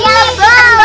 ya yang lebih